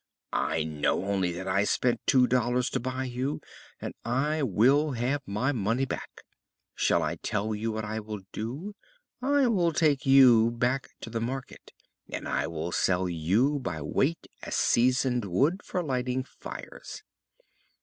"I know only that I spent two dollars to buy you, and I will have my money back. Shall I tell you what I will do? I will take you back to the market and I will sell you by weight as seasoned wood for lighting fires."